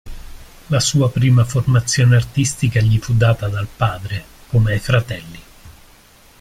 La sua prima formazione artistica gli fu data dal padre, come ai fratelli.